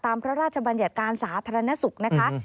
พระราชบัญญัติการสาธารณสุขนะคะ